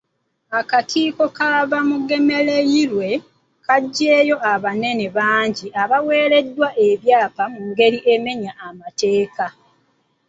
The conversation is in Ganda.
Akakiiko ka Bamugemereire kaggyeeyo abanene bangi abaweereddwa ebyapa mu ngeri emenya amateeka.